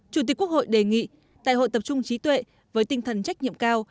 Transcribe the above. chủ tịch quốc hội đề nghị đại hội tập trung trí tuệ với tinh thần trách nhiệm cao